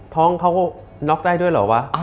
ท้องเขาก็น็อกได้ด้วยเหรอวะ